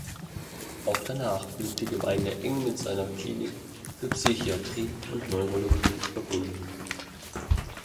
Auch danach blieb die Gemeinde eng mit seiner Klinik für Psychiatrie und Neurologie verbunden.